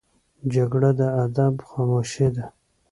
جګړه د ادب خاموشي ده